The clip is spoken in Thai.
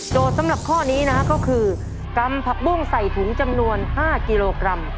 สำหรับข้อนี้นะฮะก็คือกำผักบุ้งใส่ถุงจำนวน๕กิโลกรัม